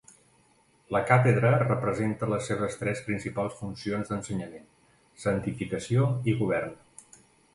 La Càtedra representa les seves tres principals funcions d'ensenyament, santificació i govern.